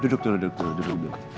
duduk dulu duduk dulu